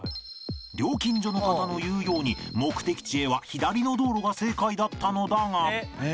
料金所の方の言うように目的地へは左の道路が正解だったのだが